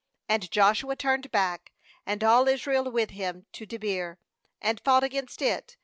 38And Joshua turned back, and all Israel with him, to Debir; and fought against it.